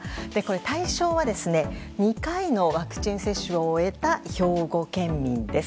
対象は２回のワクチン接種を終えた兵庫県民です。